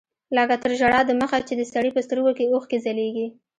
لکه تر ژړا د مخه چې د سړي په سترګو کښې اوښکې ځلېږي.